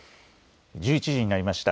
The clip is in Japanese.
１１時になりました。